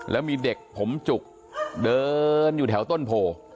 แล้วมีเด็กผมจุกเดินอยู่แถวต้นโพ